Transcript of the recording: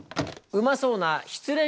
うまそうな「失恋」